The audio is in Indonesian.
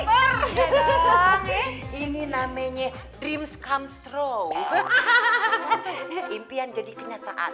iya dong ini namanya dreams come true impian jadi kenyataan